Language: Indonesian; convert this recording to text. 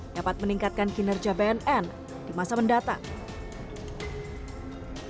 dapat meningkatkan kinerja bnn di masa mendatang